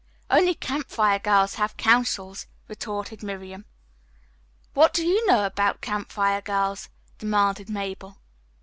"Only Campfire girls have councils," retorted Miriam. "What do you know about Campfire girls?" demanded Mabel.